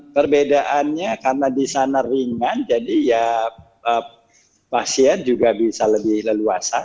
perbedaannya karena di sana ringan jadi ya pasien juga bisa lebih leluasa